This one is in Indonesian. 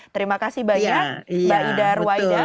terima kasih banyak mbak ida ruwaida